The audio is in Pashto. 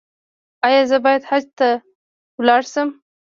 ایا زه باید حج ته لاړ شم؟